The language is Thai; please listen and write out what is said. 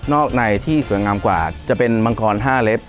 อกในที่สวยงามกว่าจะเป็นมังกร๕เล็บ